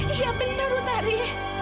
iya benar putari